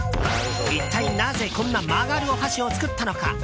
一体なぜこんな曲がるお箸を作ったのか。